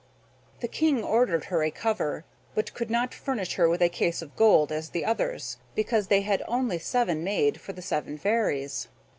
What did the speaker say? The King ordered her a cover, but could not furnish her with a case of gold as the others, because they had only seven made for the seven fairies.